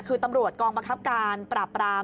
คือตำรวจกองปรักษการปรับราม